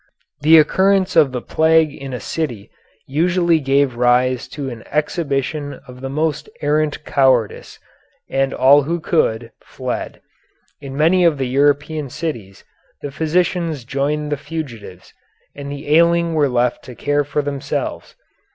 The occurrence of the plague in a city usually gave rise to an exhibition of the most arrant cowardice, and all who could, fled. In many of the European cities the physicians joined the fugitives, and the ailing were left to care for themselves.